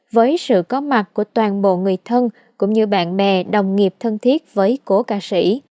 với sự có mặt của toàn bộ người thân cũng như bạn bè đồng nghiệp thân thiết với cố ca sĩ